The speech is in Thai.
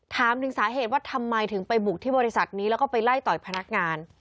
ถามถึงสาเหตุว่าทำไมถึงไปบุกที่บริษัทนี้แล้วก็ไปไล่ต่อยพนักงาน